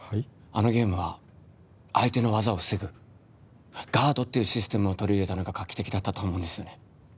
あのゲームは相手の技を防ぐガードっていうシステムを取り入れたのが画期的だったと思うんですよね